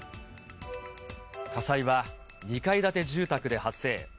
火災は２階建て住宅で発生。